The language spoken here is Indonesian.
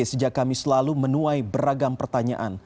sejak kami selalu menuai beragam pertanyaan